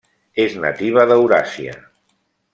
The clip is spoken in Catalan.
És nativa d'Euràsia.